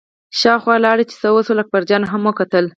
شاوخوا لاړه چې څه وشول، اکبرجان هم وکتل.